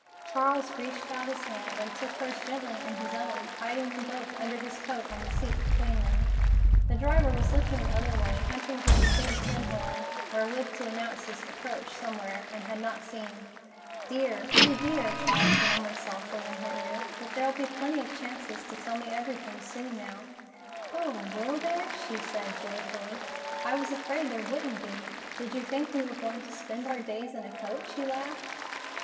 Charles reached out his hand and took hers gently in his own, hiding them both under his coat on the seat between them. The driver was looking the other way, hunting for his big tin horn, wherewith to announce his approach somewhere, and had not seen. "Dear! You dear!" Charles murmured softly in her ear. "But there'll be plenty of chances to tell me everything soon now." "Oh, will there?" she said joyfully. "I was afraid there wouldn't be." "Did you think we were going to spend our days in a coach?" he laughed.